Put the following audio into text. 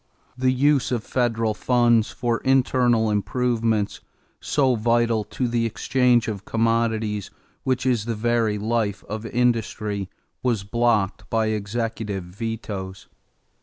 The use of federal funds for internal improvements, so vital to the exchange of commodities which is the very life of industry, was blocked by executive vetoes.